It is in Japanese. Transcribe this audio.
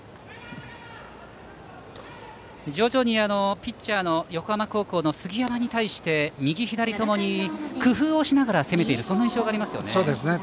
徐々に横浜高校のピッチャーの杉山に対して右、左ともに工夫しながら攻めているそんな印象がありますね。